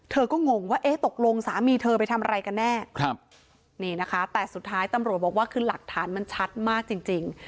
เธอก็งงว่าเอ๊ะตกลงสามีเธอไปทำอะไรกันแน่นี่นะคะแต่สุดท้ายตำรวจบอกว่าคือหลักฐานมันชัดมากจริง